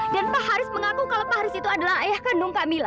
dan pak haris mengaku kalau pak haris itu adalah ayah kandung kamila